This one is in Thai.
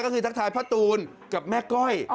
ก็คือทักทายพ่อตูนกับแม่ก้อย